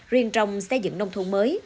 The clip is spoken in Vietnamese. riêng trong xây dựng nông thôn mới